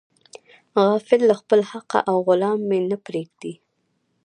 غافل له خپله حقه او غلام مې نه پریږدي.